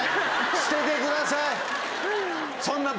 捨ててください。